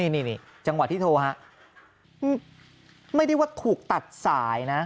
นี่จังหวะที่โทรฮะไม่ได้ว่าถูกตัดสายนะ